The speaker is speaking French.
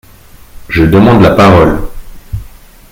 Je demande la parole